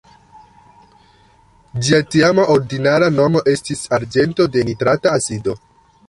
Ĝia tiama ordinara nomo estis arĝento de nitrata acido.